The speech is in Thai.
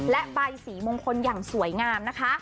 และใบสีมงคลอย่างสวยงามนะคะ